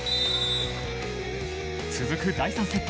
続く第３セット。